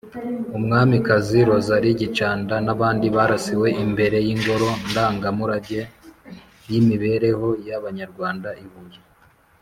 Umwamikazi Rosalie Gicanda n’abandi barasiwe imbere y’Ingoro Ndangamurage y’Imibereho y’Abanyarwanda I Huye.